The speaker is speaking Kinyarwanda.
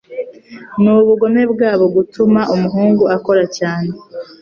Nubugome bwabo gutuma umuhungu akora cyane.